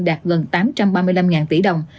đạt gần tám trăm ba mươi năm tỷ đồng